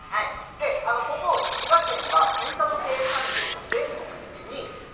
この千葉県はスイカの生産量が全国で２位。